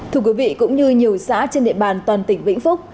thưa quý vị cũng như nhiều xã trên địa bàn toàn tỉnh vĩnh phúc